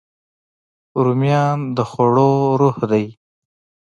رومیان د خوړو روح دي